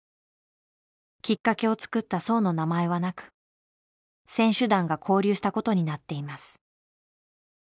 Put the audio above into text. きっかけを作った荘の名前はなく選手団が交流したことになっています。